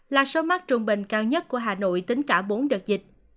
là số mắc trung bình cao nhất của hà nội tính cả bốn đợt dịch